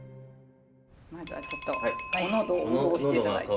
まずはちょっとお喉を潤して頂いて。